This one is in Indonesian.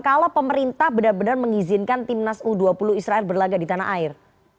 kalau pemerintah benar benar mengizinkan timnas u dua puluh israel berlagak di tanah air